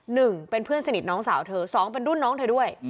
หนึ่งเป็นเพื่อนสนิทน้องสาวเธอสองเป็นรุ่นน้องเธอด้วย